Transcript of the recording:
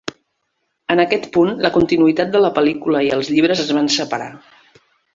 En aquest punt la continuïtat de la pel·lícula i els llibres es van separar.